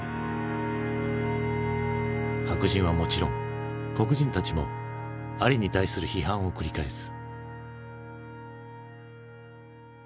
白人はもちろん黒人たちもアリに対する批判を繰り返す。